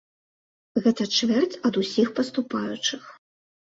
Гэта чвэрць ад усіх паступаючых.